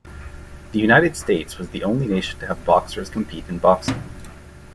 The United States was the only nation to have boxers compete in boxing.